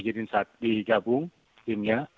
kemudian usia empat belas tahun untuk putri